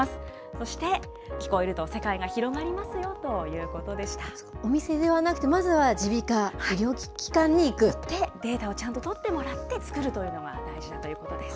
そして、聞こえると世界が広がりお店ではなくて、まずは耳鼻で、データをちゃんと取ってもらって作るというのが大事だということです。